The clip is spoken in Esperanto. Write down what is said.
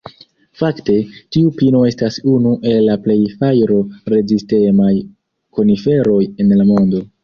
Fakte, tiu pino estas unu el la plej fajro-rezistemaj koniferoj en la mondo.